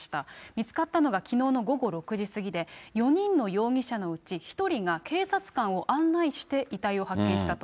見つかったのがきのうの午後６時過ぎで、４人の容疑者のうち、１人が警察官を案内して遺体を発見したと。